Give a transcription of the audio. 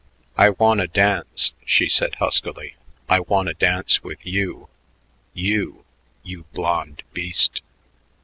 "I wanta dance," she said huskily. "I wanta dance with you you you blond beast."